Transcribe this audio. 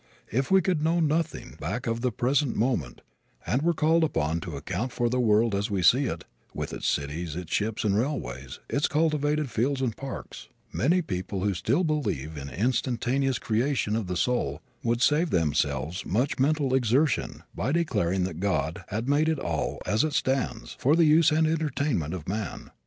If we could know nothing back of the present moment and were called upon to account for the world as we see it with its cities, its ships and railways, its cultivated fields and parks many people who still believe in instantaneous creation of the soul would save themselves much mental exertion by declaring that God had made it all as it stands for the use and entertainment of man.